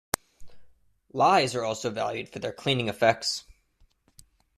Lyes are also valued for their cleaning effects.